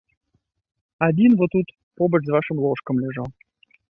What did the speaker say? Адзін во тут, побач з вашым ложкам, ляжаў.